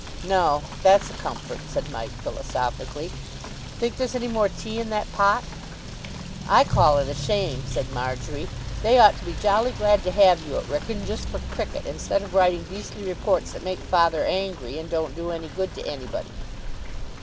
"No, that's a comfort," said Mike philosophically. "Think there's any more tea in that pot?" "I call it a shame," said Marjory; "they ought to be jolly glad to have you at Wrykyn just for cricket, instead of writing beastly reports that make father angry and don't do any good to anybody."